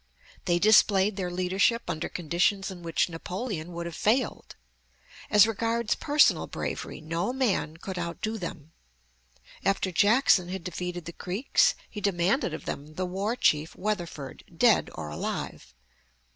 They displayed their leadership under conditions in which Napoleon would have failed. As regards personal bravery, no man could outdo them. After Jackson had defeated the Creeks, he demanded of them the war chief Weatherford, dead or alive.